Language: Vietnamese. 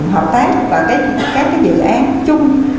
hợp tác và các dự án chung